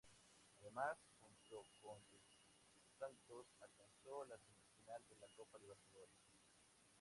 Además, junto con el Santos alcanzó la semifinal de la Copa Libertadores.